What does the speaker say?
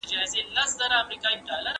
ولي د کورنۍ د جوړولو حق بنسټیز دی؟